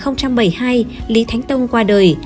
năm một nghìn bảy mươi hai lý thánh tông qua đời